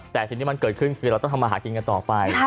แต่สิ่งที่มันเกิดขึ้นคือเราต้องทำมาหากินกันต่อไป